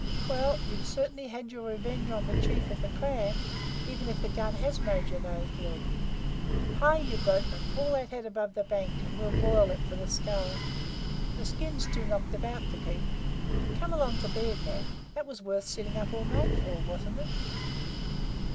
"Well, you've certainly had your revenge on the chief of the clan even if the gun has made your nose bleed. Hi, you boatmen! Haul that head up the bank, and we'll boil it for the skull. The skin's too knocked about to keep. Come along to bed now. This was worth sitting up all night for, wasn't it?"